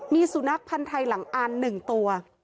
มีสุนัขพันธ์ไทยหลังอ่าน๑ตัว